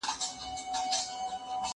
ما به ولي کاروانونه لوټولاى